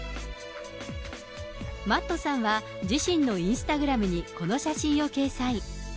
Ｍａｔｔさんは、自身のインスタグラムにこの写真を掲載。